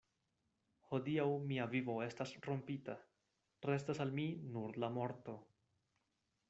Hodiaŭ mia vivo estas rompita; restas al mi nur la morto.